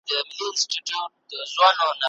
ولي د بریا په سفر کي استقامت تر پوهي ډیر اړین دی؟